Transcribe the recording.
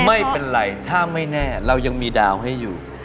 ไม่เป็นไรถ้าไม่แน่เรายังมีดาวให้อยู่